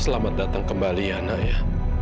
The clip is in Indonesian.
selamat datang kembali ya naya